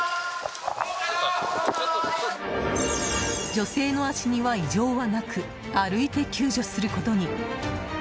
女性の足には異常はなく歩いて救助することに。